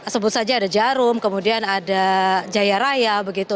sebut saja ada jarum kemudian ada jaya raya begitu